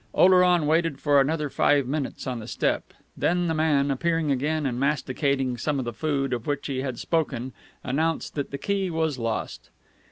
Oleron waited for another five minutes on the step; then the man, appearing again and masticating some of the food of which he had spoken, announced that the key was lost.